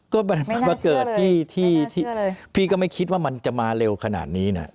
ก็มันเกิดที่ที่พี่ก็ไม่คิดว่ามันจะมาเร็วขนาดนี้นะไม่น่าเชื่อเลย